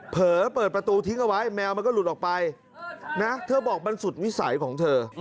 เผลอเปิดประตูทิ้งเอาไว้แมวมันก็หลุดออกไปนะเธอบอกมันสุดวิสัยของเธอ